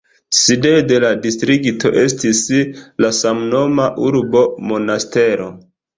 Sidejo de la distrikto estis la samnoma urbo Monastero.